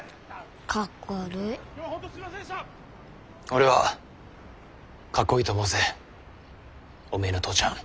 俺はかっこいいと思うぜおめえの父ちゃん。